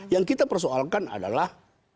yang kita persoalkan adalah